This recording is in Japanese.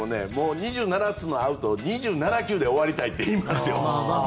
２７つのアウトを２７球で終わりたいって言いますよ。